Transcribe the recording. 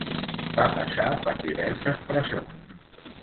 Va passar per diverses presons.